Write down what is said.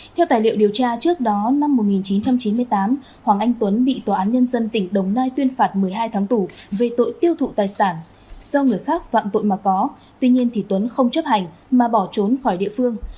theo tài liệu điều tra trước đó năm một nghìn chín trăm chín mươi tám hoàng anh tuấn bị tòa án nhân dân tỉnh đồng nai tuyên phạt một mươi hai tháng tù về tội tiêu thụ tài sản do người khác phạm tội mà có tuy nhiên thì tuấn không chấp hành mà bỏ trốn khỏi địa phương